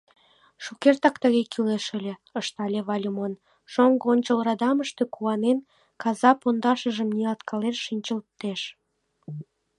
— Шукертак тыге кӱлеш ыле! — ыштале Выльымон, шоҥго ончыл радамыште, куанен, каза пондашыжым ниялткален шинчылтеш.